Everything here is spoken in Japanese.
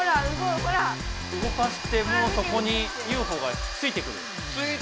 うごかしてもそこにＵＦＯがついてくる。